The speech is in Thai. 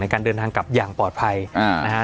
การเดินทางกลับอย่างปลอดภัยนะฮะ